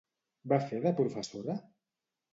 Va fer de professora?